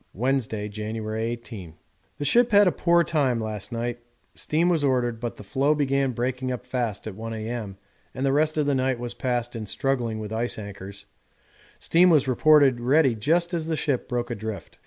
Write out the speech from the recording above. Wednesday, January 18. The ship had a poor time last night; steam was ordered, but the floe began breaking up fast at 1 A.M., and the rest of the night was passed in struggling with ice anchors; steam was reported ready just as the ship broke adrift.